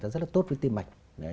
rất là tốt với tim mạnh